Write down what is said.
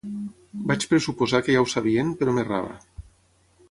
Vaig pressuposar que ja ho sabien, però m'errava.